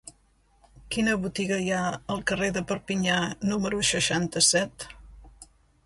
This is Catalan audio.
Quina botiga hi ha al carrer de Perpinyà número seixanta-set?